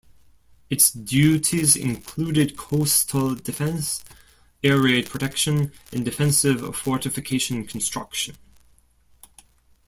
Its duties included coastal defense, air raid protection and defensive fortification construction.